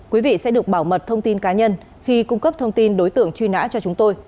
quý vị sẽ được bảo mật thông tin cá nhân khi cung cấp thông tin đối tượng truy nã cho chúng tôi